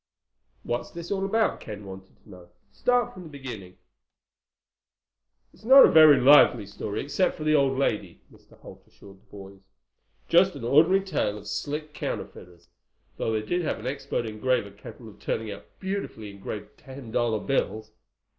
"What's this all about?" Ken wanted to know. "Start from the beginning." "It's not a very lively story, except for the old lady," Mr. Holt assured the boys. "Just an ordinary tale of slick counterfeiters, though they did have an expert engraver capable of turning out beautifully engraved ten dollar bills.